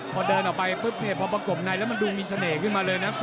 พอเดินออกไปปุ๊บเนี่ยพอประกบในแล้วมันดูมีเสน่ห์ขึ้นมาเลยนะ